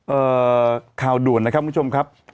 เอ่อข่าวด่วนนะครับคุณผู้ชมครับ